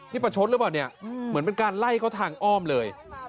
นี่ประชดหรือเปล่าเนี่ยเหมือนเป็นการไล่เขาทางอ้อมเลย